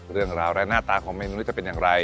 เรื่องราวและหน้าตาของเมนูนี้จะเป็นอย่างไร